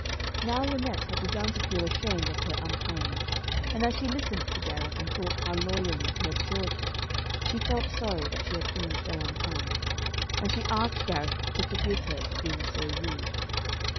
Now Lynette had begun to feel ashamed of her unkindness, and as she listened to Gareth, and thought how loyally he had served her, she felt sorry that she had been so unkind. And she asked Gareth to forgive her for being so rude.